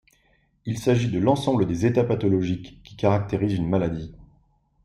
Il s'agit de l'ensemble des états pathologiques qui caractérisent une maladie.